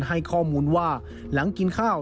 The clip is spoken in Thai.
ให้ข้อมูลว่าหลังกินข้าว